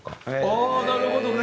ああなるほどね！